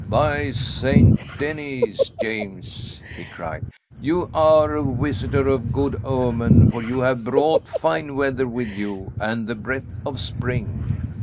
"By Saint Denis, James," he cried, "you are a visitor of good omen, for you have brought fine weather with you and the breath of spring.